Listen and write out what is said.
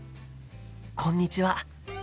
こんにちは。